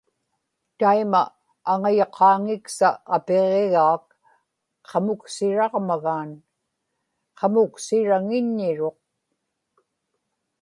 taima aŋayuqaaŋiksa apiġigaak qamuksiraġmagaan; qamuksiraŋiññiruq